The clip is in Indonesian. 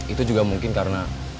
itu juga mungkin karena